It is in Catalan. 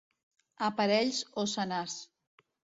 A parells o senars.